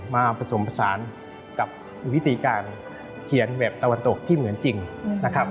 มาผสมผสานกับวิธีการเขียนแบบตะวันตกที่เหมือนจริงนะครับ